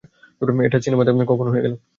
এটা সিনেমা কখন হয়ে গেল?